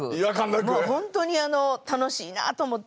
もうホントに楽しいなと思って。